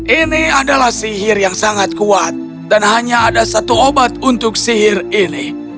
ini adalah sihir yang sangat kuat dan hanya ada satu obat untuk sihir ini